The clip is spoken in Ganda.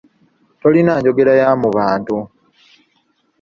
Tolina njoggera ya mu bantu.